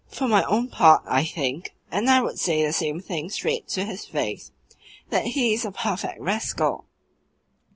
For my own part, I think and I would say the same thing straight to his face that he is a perfect rascal."